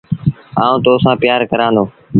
آئوٚݩ تو سآݩ پيآر ڪرآݩ دو۔